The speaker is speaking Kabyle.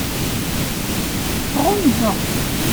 Ɣunzu.